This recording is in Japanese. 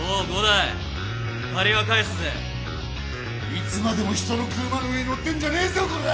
いつまでも人の車の上に乗ってんじゃねえぞこらぁ！